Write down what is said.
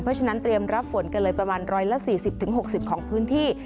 เพราะฉะนั้นเตรียมรับฝนกันเลยประมาณ๑๔๐๖๐ของพื้นที่